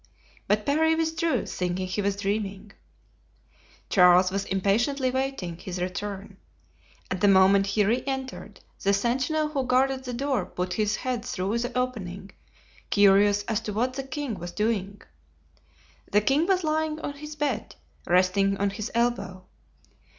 But Parry withdrew, thinking he was dreaming. Charles was impatiently awaiting his return. At the moment he re entered, the sentinel who guarded the door put his head through the opening, curious as to what the king was doing. The king was lying on his bed, resting on his elbow.